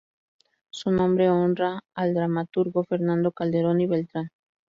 Su nombre honra al dramaturgo Fernando Calderón y Beltrán.